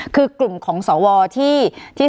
คือกลุ่มของสวที่ท่านกิติศักดิ์อยู่ด้วยเนี่ย